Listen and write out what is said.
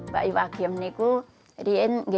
pada saat saya membeli ini